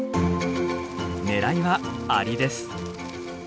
狙いはアリです。